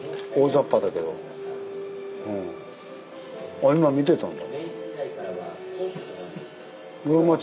あ今見てたんだ？